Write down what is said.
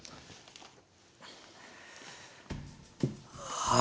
はい。